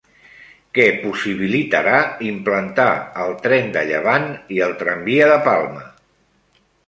Què possibilitarà implantar el tren de Llevant i el tramvia de Palma?